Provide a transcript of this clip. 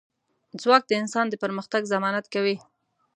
ځواک د انسان د پرمختګ ضمانت کوي.